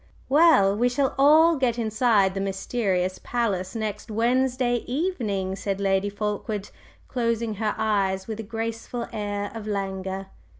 "Well, we shall all get inside the mysterious palace next Wednesday evening," said Lady Fulkeward, closing her eyes with a graceful air of languor.